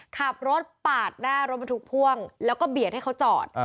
ขับรถปาดหน้ารถบรรทุกพ่วงแล้วก็เบียดให้เขาจอด